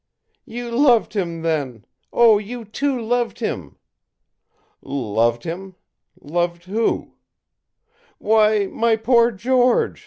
ì'You loved him, then! Oh, you too loved him!' ì'Loved him! Loved who?' ì'Why, my poor George!